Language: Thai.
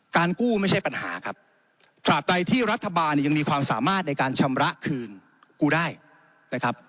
กู้ไม่ใช่ปัญหาครับตราบใดที่รัฐบาลเนี่ยยังมีความสามารถในการชำระคืนกูได้นะครับ